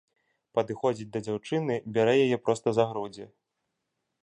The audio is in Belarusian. Падыходзіць да дзяўчыны, бярэ яе проста за грудзі.